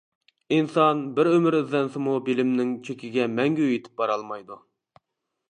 ئىنسان بىر ئۆمۈر ئىزدەنسىمۇ بىلىمنىڭ چېكىگە مەڭگۈ يېتىپ بارالمايدۇ.